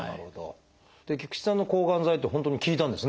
菊池さんの抗がん剤って本当に効いたんですね。